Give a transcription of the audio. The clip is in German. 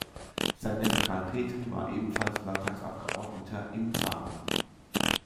Sein Neffe Karl Petri war ebenfalls Landtagsabgeordneter im Saarland.